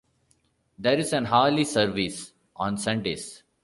There is an hourly service on Sundays.